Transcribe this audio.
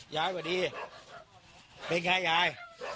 ย้ายสวัสดีเป็นอย่างไรย้าย